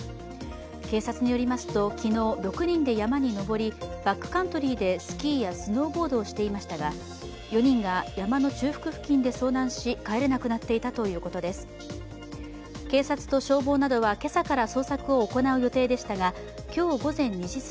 警察によりますと、昨日、６人で山に登りバックカントリーでスキーやスノーボードをしていましたが４人が山の中腹付近で遭難し、帰れなくなっていたということです。